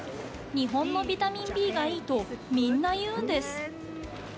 日本のビタミンＢがいいとみんな言うんです。